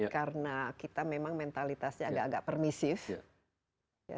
karena kita memang mentalitasnya agak agak permissive